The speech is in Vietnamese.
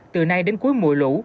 từ nay đến cuối mùi lũ